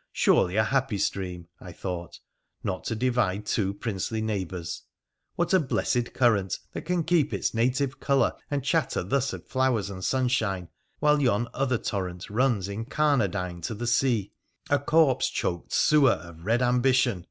' Surely a happy stream,' I thought, • not to divide two princely neigh bours ! What a blessed current that can keep its native colour and chatter thus of flowers and sunshine, while yon other torrent runs incarnadine to the sea — a corpse choked sewer of red ambition